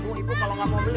ibu ibu kalau nggak mau beli